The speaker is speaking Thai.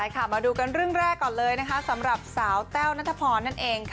มาดูกันเรื่องแรกก่อนเลยนะคะสำหรับสาวแต้วนัทพรนั่นเองค่ะ